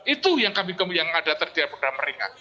itu yang kami ingin menghadapi dari mereka